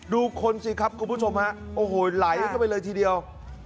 ดูคนสิครับคุณผู้ชมฮะโอ้โหไหลเข้าไปเลยทีเดียว